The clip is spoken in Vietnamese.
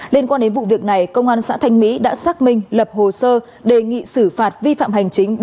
liên quan đến vụ việc này công an xã thanh mỹ đã xác minh lập hồ sơ đề nghị xử phạt vi phạm hành chính